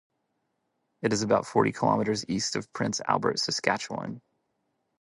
It is about forty kilometres east of Prince Albert, Saskatchewan.